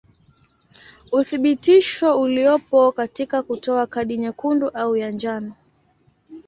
Uthibitisho uliopo katika kutoa kadi nyekundu au ya njano.